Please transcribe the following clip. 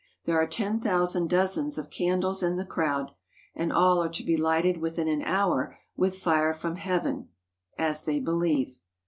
There are ten thousand dozens of candles in the crowd, and all are to be lighted within an hour with fire from heaven, as they believe.